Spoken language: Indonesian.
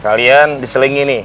kalian diselingi nih